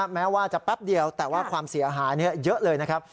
แม้ว่าจะแป๊บเดียวแต่ว่าความเสียหายเยอะเลยนะครับ